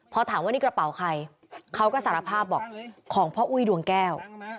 พอถามว่านี่กระเป๋าใครเขาก็สารภาพบอกของพ่ออุ้ยดวงแก้ว